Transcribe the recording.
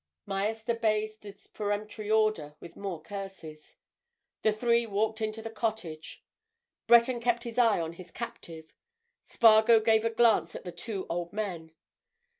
Myerst obeyed this peremptory order with more curses. The three walked into the cottage. Breton kept his eye on his captive; Spargo gave a glance at the two old men.